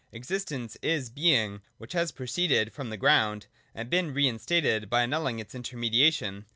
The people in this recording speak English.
Existence is Being which has proceeded from the ground, and been reinstated by annulling its intermediation.